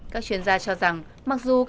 các chuyên gia cho rằng